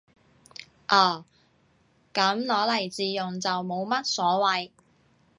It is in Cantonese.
哦，噉攞嚟自用就冇乜所謂